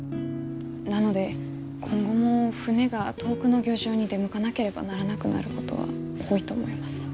なので今後も船が遠くの漁場に出向かなければならなくなることは多いと思います。